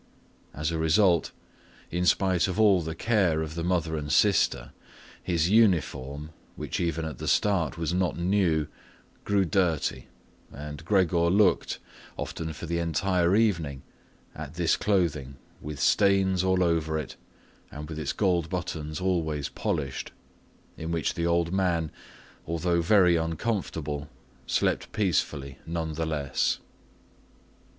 As a result, in spite of all the care of the mother and sister, his uniform, which even at the start was not new, grew dirty, and Gregor looked, often for the entire evening, at this clothing, with stains all over it and with its gold buttons always polished, in which the old man, although very uncomfortable, slept peacefully nonetheless.